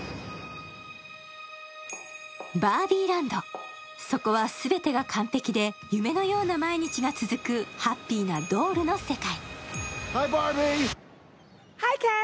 バービーランド、そこは全てが完璧で夢のような毎日が続くハッピーなドールの世界。